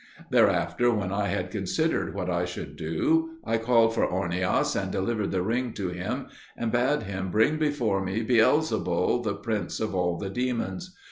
Thereafter, when I had considered what I should do, I called for Ornias, and delivered the ring to him, and bade him bring before me Beelzebul, the prince of all the demons.